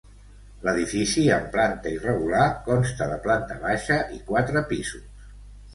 L'edifici, amb planta irregular, consta de planta baixa i quatre pisos.